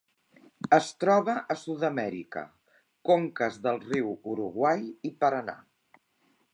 Es troba a Sud-amèrica: conques dels rius Uruguai i Paranà.